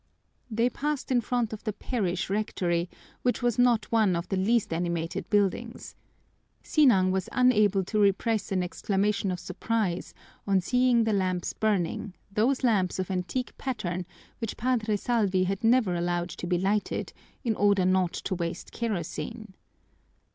They passed in front of the parish rectory, which was not one of the least animated buildings. Sinang was unable to repress an exclamation of surprise on seeing the lamps burning, those lamps of antique pattern which Padre Salvi had never allowed to be lighted, in order not to waste kerosene.